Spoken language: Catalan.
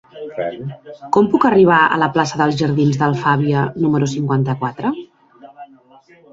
Com puc arribar a la plaça dels Jardins d'Alfàbia número cinquanta-quatre?